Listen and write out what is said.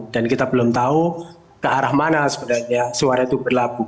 dan kita belum tahu ke arah mana sebenarnya suara itu berlaku